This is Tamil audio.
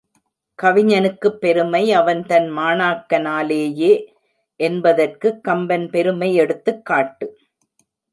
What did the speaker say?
கவிஞனுக்குப் பெருமை அவன் தன் மாணாக்கனாலேயே என்பதற்கு கம்பன் பெருமை எடுத்துக்காட்டு.